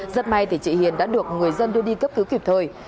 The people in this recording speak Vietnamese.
rất may chị hiền đã được người dân đưa đi cấp cứu kịp thời